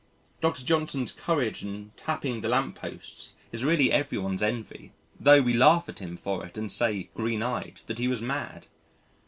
Dr. Johnson's courage in tapping the lamp posts is really everyone's envy tho' we laugh at him for it and say, green eyed, that he was mad.